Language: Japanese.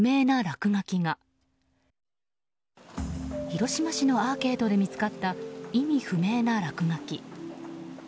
広島市のアーケードで見つかった、意味不明な落書き。